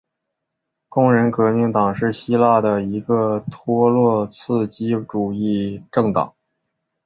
工人革命党是希腊的一个托洛茨基主义政党。